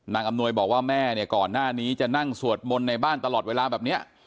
อำนวยบอกว่าแม่เนี่ยก่อนหน้านี้จะนั่งสวดมนต์ในบ้านตลอดเวลาแบบนี้